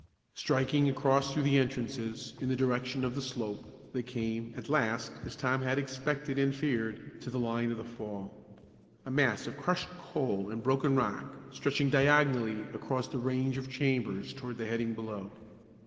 Striking across through the entrances, in the direction of the slope, they came, at last, as Tom had expected and feared, to the line of the fall: a mass of crushed coal and broken rock stretching diagonally across the range of chambers towards the heading below.